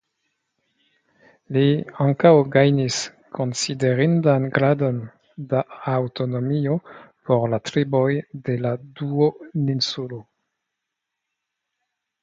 Li ankaŭ gajnis konsiderindan gradon da aŭtonomio por la triboj de la duoninsulo.